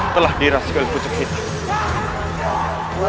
telah dirasikai pejabat kita